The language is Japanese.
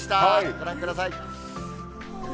ご覧ください。